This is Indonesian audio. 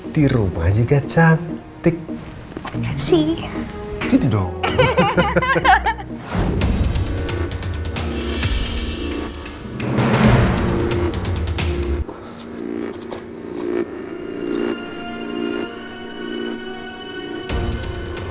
di rumah juga cantik kasih hidup